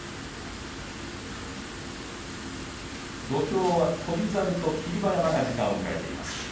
土俵は、翔猿と霧馬山が時間を迎えています。